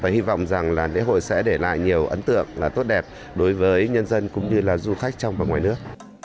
hy vọng rằng lễ hội sẽ để lại nhiều ấn tượng tốt đẹp đối với nhân dân cũng như là du khách trong và ngoài nước